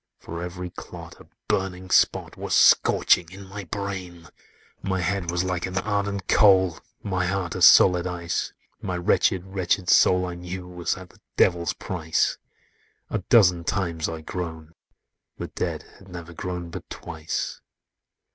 For every clot, a burning spot Was scorching in my brain! "My head was like an ardent coal, My heart as solid ice; My wretched, wretched soul, I knew, Was at the Devil's price: A dozen times I groaned: the dead Had never groaned but twice!